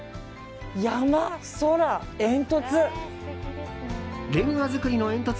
山、空、煙突！